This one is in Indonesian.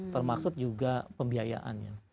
termaksud juga pembiayaannya